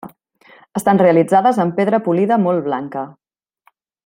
Estan realitzades en pedra polida molt blanca.